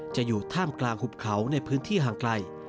อยู่ท่ามกลางหุบเขาในพื้นที่ห่างไกล